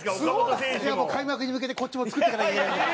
開幕に向けてこっちも作っていかなきゃいけないんで。